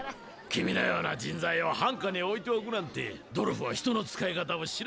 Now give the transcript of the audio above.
君のような人材をハンカに置いておくなんてドルフは人の使い方を知らんな。